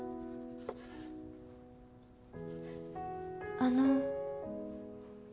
あの